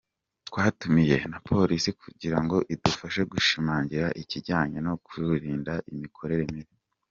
Twatumiye na Polisi kugira ngo idufashe gushimangira ikijyanye no kwirinda imikorere mibi.